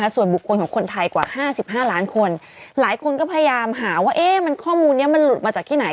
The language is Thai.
ส่วนบุคคลของคนไทยกว่า๕๕ล้านคนหลายคนก็พยายามหาว่าข้อมูลนี้มันหลุดมาจากที่ไหน